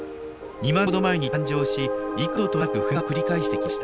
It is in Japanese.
２万年ほど前に誕生し幾度となく噴火を繰り返してきました。